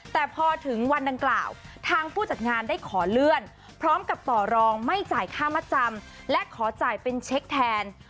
แต่พอถึงวันดังกล่าวทางผู้จัดงานได้ขอเลื่อนพร้อมกับต่อรองไม่จ่ายค่ามัดจำและขอจ่ายเป็นเช็คแทน